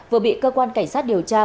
vừa bị cơ quan cảnh sát điều tra